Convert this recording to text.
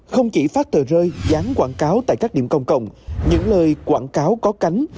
không chỉ phát tờ rơi dán quảng cáo tại các điểm công cộng những lời quảng cáo có cánh